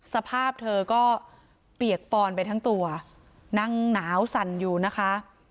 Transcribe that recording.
สภาพเธอก็เปียกปอนไปทั้งตัวนั่งหนาวสั่นอยู่นะคะ